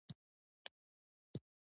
خټکی له پټې خبرې نه ډار نه لري.